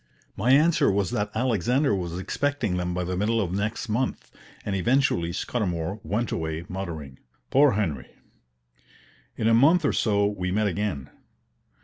My answer was that Alexander was expecting them by the middle of next month; and eventually Scudamour went away muttering, "Poor Henry!" In a month or so we met again.